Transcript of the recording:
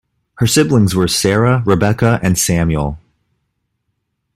Her siblings were Sara, Rebecca, and Samuel.